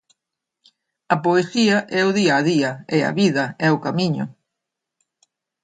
A poesía é o día a día, é a vida, é o camiño.